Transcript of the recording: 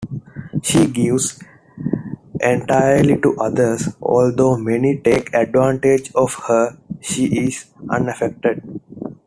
She gives entirely to others; although many take advantage of her, she is unaffected.